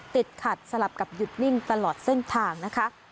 ติดขัดสลับกับหยุดนิ่งตลอดเส้นทางนะคะ